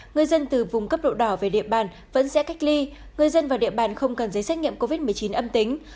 người dân từ vùng cấp độ đỏ về địa bàn vẫn sẽ cách ly người dân và địa bàn không cần giấy xét nghiệm covid một mươi chín âm tính